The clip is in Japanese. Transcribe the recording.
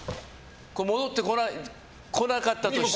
戻ってこなかったとしても。